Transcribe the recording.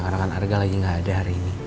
arangan arga lagi ga ada hari ini